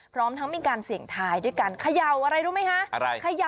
พร้อมทั้งมีการเสี่ยงทายด้วยการเขย่าอะไรรู้ไหมคะ